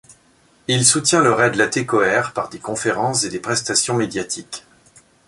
Il soutient le Raid Latécoère par des conférences et des prestations médiatiques.